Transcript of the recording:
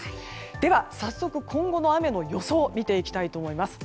では、早速今後の雨の予想を見ていきます。